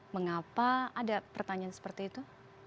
mengapa ada pertanyaan seperti itu